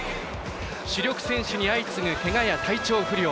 主力選手に相次ぐけがや、体調不良。